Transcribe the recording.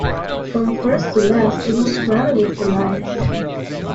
From first to last it was crowded with delights.